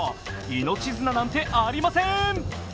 命綱なんてありません。